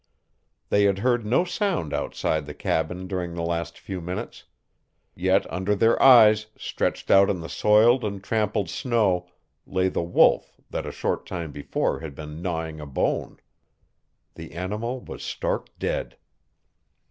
They had heard no sound outside the cabin during the last few minutes. Yet under their eyes, stretched out in the soiled and trampled snow, lay the wolf that a short time before had been gnawing a bone. The animal was stark dead.